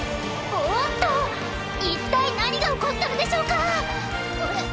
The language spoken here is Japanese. おっと一体何が起こったのでしょうかあれ？